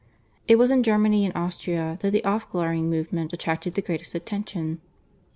It was in Germany and Austria that the /Aufklarung/ movement attracted the greatest attention.